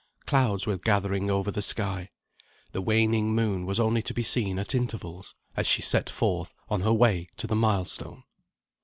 Clouds were gathering over the sky. The waning moon was only to be seen at intervals, as she set forth on her way to the milestone.